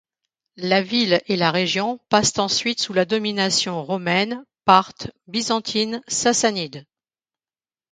La ville et la région passent ensuite sous la domination romaine, parthe, byzantines, sassanide.